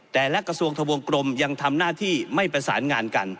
แต่ละกระทรวงทะวงกรมยังทำหน้าที่ไม่ประสานงานกัน